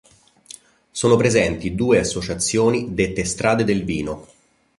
Sono presenti due associazioni dette strade del vino.